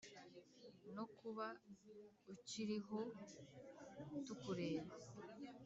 no kuba ukirihoo tukureba